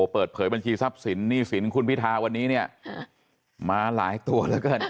เปิดเผยบัญชีทรัพย์สินหนี้สินคุณพิทาวันนี้เนี่ยมาหลายตัวแล้วกัน